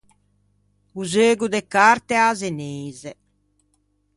O zeugo de carte a-a zeneise.